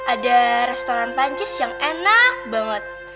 ada restoran perancis yang enak banget